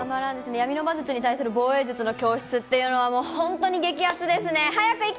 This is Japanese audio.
闇の魔術に対する防衛術の教室っていうのはもう本当に激熱ですね。